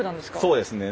そうですね